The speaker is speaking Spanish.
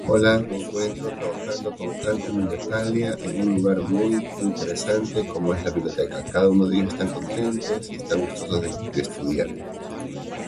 Siempre está intentando aprender nuevos idiomas.